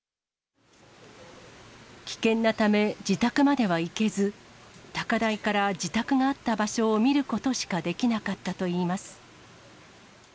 危険なため、自宅までは行けず、高台から自宅があった場所を見ることしかできなかったといいます。